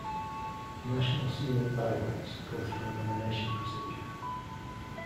National Scenic Byways go through a nomination procedure.